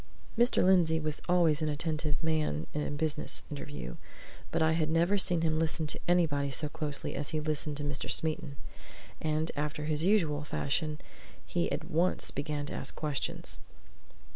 Mr. Lindsey was always an attentive man in a business interview, but I had never seen him listen to anybody so closely as he listened to Mr. Smeaton. And after his usual fashion, he at once began to ask questions.